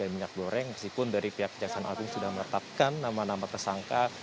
minyak goreng meskipun dari pihak kejaksaan agung sudah menetapkan nama nama tersangka